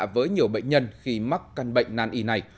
với nhiều bệnh nhân khi mắc căn bệnh nan y này